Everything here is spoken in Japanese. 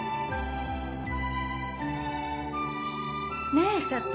ねえ佐都。